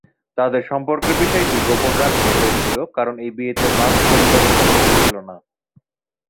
তাদের সম্পর্কের বিষয়টি গোপন রাখতে হয়েছিল, কারণ এই বিয়েতে মার্কস পরিবারের সম্মতি ছিল না।